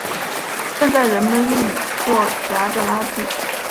现在人们用作夹着垃圾。